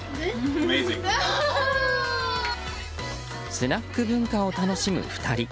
スナック文化を楽しむ２人。